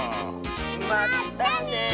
まったね！